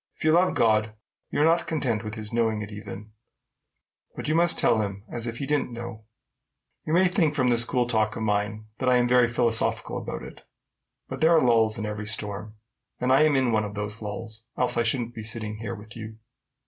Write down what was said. If you love God, you are not content with his knowing it even, but you must tell him as if he didn't know it. You may think from this cool talk of mine that I am very philosophical about it; but there are lulls in every storm, and I am in one of those lulls, else I shouldn't be sitting here with you."